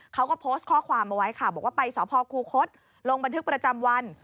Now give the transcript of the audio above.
เขาก็โพสต์ข้อความเอาไว้ค่ะบอกว่าไปสพคูคศลงบันทึกประจำวัน